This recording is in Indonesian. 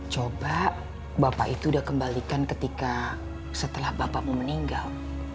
coba bapak itu udah kembalikan ketika setelah bapakmu meninggal